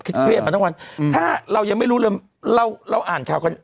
แบบเข็ดเครียดมาตั้งบันถ้าเรายังไม่รู้เรื่องเราอ่านค่าวค่ะ